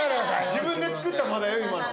自分でつくった間だよ今の。